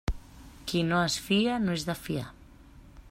Qui no es fia no és de fiar.